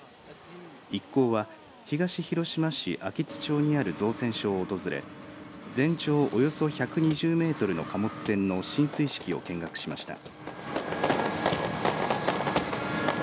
一行は東広島市安芸津町にある造船所を訪れ全長およそ１２０メートルの貨物船の進水式を見学しました。